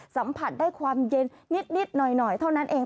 สัมผัสได้ความเย็นนิดหน่อยเท่านั้นเอง